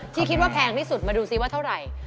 ที่คิดว่าแพงที่สุดมาดูซิว่าเท่าไหร่